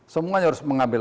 semuanya harus mengambil